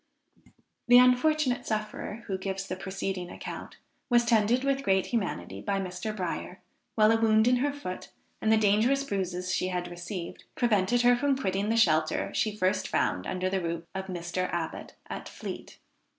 The unfortunate sufferer who gives the preceding account, was tended with great humanity by Mr. Bryer, while a wound in her foot, and the dangerous bruises she had received, prevented her from quitting the shelter she first found under the roof of Mr. Abbot, at Fleet.